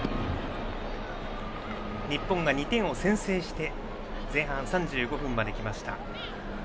日本が２点を先制して前半３５分まで来ました。